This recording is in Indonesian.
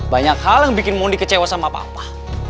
banyak hal yang bikin mondi kecewa sama papa